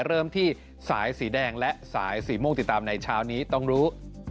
เริ่มที่สายสีแดงและสายสีม่วงติดตามในเช้านี้ต้องรู้